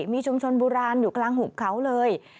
มีชุมชนโบราณอยู่กลางหุบเขาเลย